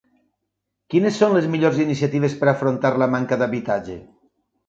Quines són les millors iniciatives per afrontar la manca d'habitatge?